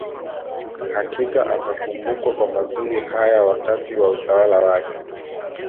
Hakika atakumbukwa kwa mazuri haya wakati wa utawala wake